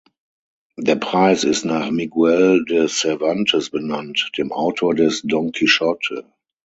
Der Preis ist nach Miguel de Cervantes benannt, dem Autor des "Don Quijote".